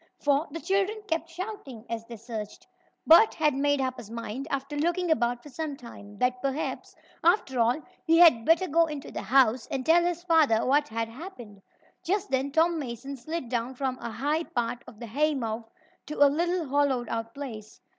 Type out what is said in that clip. For the children kept shouting as they searched. Bert had made up his mind, after looking about for some time, that perhaps, after all, he had better go into the house and tell his father what had happened. Just then Tom Mason slid down from a high part of the haymow to a little hollowed out place.